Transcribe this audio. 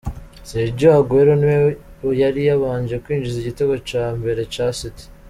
Sergio Aguero ni we yari yabanje kwinjiza igitego ca mbere ca City.